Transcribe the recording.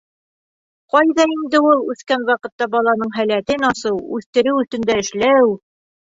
Ҡайҙа инде ул үҫкән ваҡытта баланың һәләтен асыу, үҫтереү өҫтөндә эшләү!